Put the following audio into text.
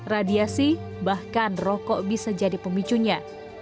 radiasi bahkan rokok bisa jadi pemicunya